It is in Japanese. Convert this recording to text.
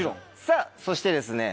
さぁそしてですね